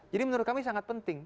jadi menurut kami sangat penting